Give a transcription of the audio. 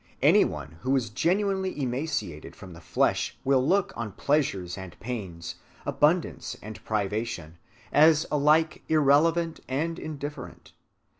Any one who is genuinely emancipated from the flesh will look on pleasures and pains, abundance and privation, as alike irrelevant and indifferent.